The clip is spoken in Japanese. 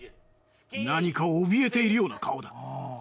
何かおびえているような顔だ。